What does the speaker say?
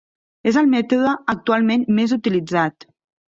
És el mètode actualment més utilitzat.